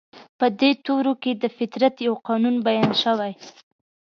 په دې تورو کې د فطرت يو قانون بيان شوی.